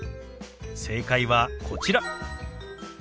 正解はこちら。